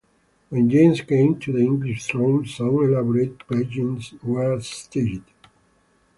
When James came to the English throne, some elaborate pageants were staged.